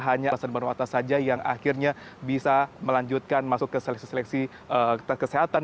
hanya alexander marwata saja yang akhirnya bisa melanjutkan masuk ke seleksi seleksi kesehatan